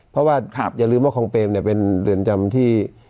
เพราะว่าอย่าลืมว่าคองเปรมเนี่ยเป็นเรือนจำที่